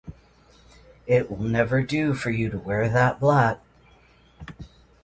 It will never do for you to wear that black.